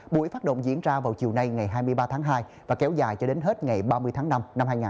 buổi phát động diễn ra vào chiều nay ngày hai mươi ba tháng hai và kéo dài cho đến hết ngày ba mươi tháng năm năm hai nghìn hai mươi bốn